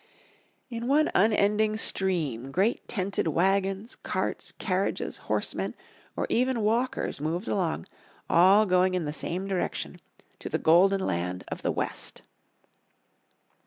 In one unending stream great tented wagons, carts, carriages, horsemen or even walkers moved along, all going in the same direction, to the golden land of the West.